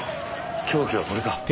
凶器はこれか？